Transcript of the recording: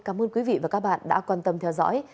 cảm ơn quý vị và các bạn đã quan tâm theo dõi